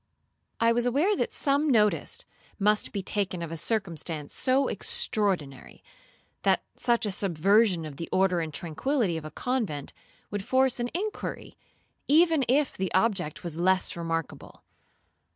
'I was aware that some notice must be taken of a circumstance so extraordinary—that such a subversion of the order and tranquillity of a convent, would force an inquiry, even if the object was less remarkable.